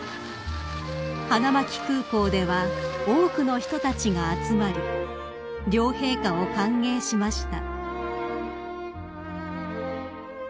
［花巻空港では多くの人たちが集まり両陛下を歓迎しました］